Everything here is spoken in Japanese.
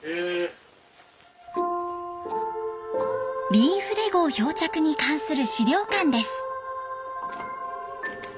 リーフデ号漂着に関する資料館です。